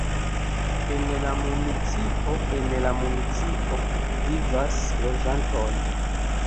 En la municipo En la municipo vivas loĝantoj.